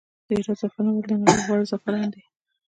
د هرات زعفران ولې د نړۍ غوره زعفران دي؟